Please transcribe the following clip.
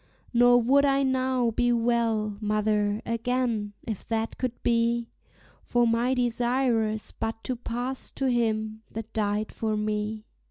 Nor would I now be well, mother, again, if that could be; For my desire is but to pass to Him that died for me.